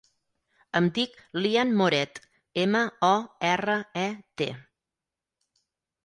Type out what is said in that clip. Em dic Lian Moret: ema, o, erra, e, te.